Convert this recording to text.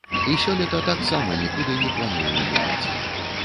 І сёлета таксама нікуды не планую ехаць.